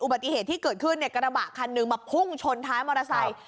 ปฏิเหตุที่เกิดขึ้นเนี่ยกระบะคันหนึ่งมาพุ่งชนท้ายมอเตอร์ไซค์